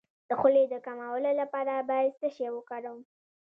د خولې د کمولو لپاره باید څه شی وکاروم؟